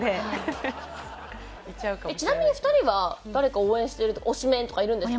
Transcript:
ちなみに２人は誰か応援してる推しメンとかいるんですか？